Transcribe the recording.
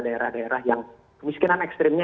daerah daerah yang kemiskinan ekstrimnya